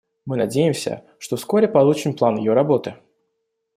Мы надеемся, что вскоре получим план ее работы.